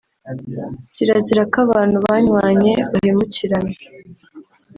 Kirazira ko abantu banywanye bahemukirana